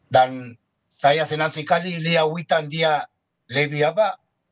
dan saya senang sekali lihat wittang dia lebih apa